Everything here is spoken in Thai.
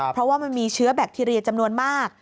เพราะว่ามันมีเชื้อแบคทีเรียจำนวนมาก